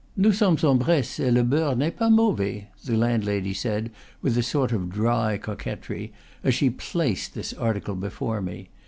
"Nous sommes en Bresse, et le beurre n'est pas mauvais," the landlady said, with a sort of dry coquetry, as she placed this article before me.